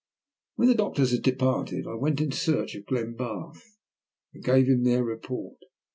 When the doctors had departed I went in search of Glenbarth, and gave him their report.